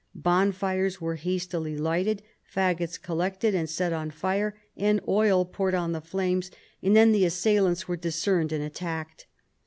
Bonfires were hastily lighted, faggots collected and set on fire, and oil poured on the flames, and then the assailants were discerned and attacked.